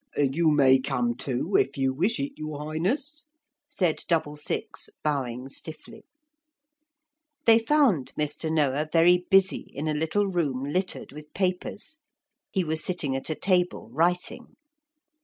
'You may come too, if you wish it, your Highness,' said Double six, bowing stiffly. They found Mr. Noah very busy in a little room littered with papers; he was sitting at a table writing.